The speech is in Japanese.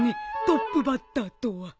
トップバッターとは。